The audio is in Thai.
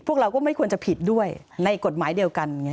เราก็ไม่ควรจะผิดด้วยในกฎหมายเดียวกัน